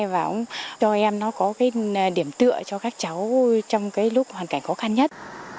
và cho em nó có cái điểm tựa cho các cháu trong cái lúc hoàn cảnh khó khăn nhất